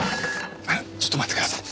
あのちょっと待ってください。